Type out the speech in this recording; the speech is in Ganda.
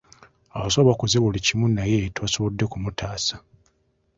Abasawo bakoze buli kimu, naye tebaasobodde kumutaasa.